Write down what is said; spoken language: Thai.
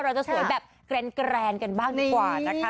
เราจะสวยแบบแกรนกันบ้างดีกว่านะคะ